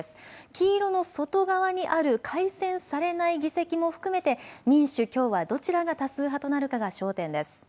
黄色の外側にある改選されない議席も含めて民主、共和どちらが多数派となるかが焦点です。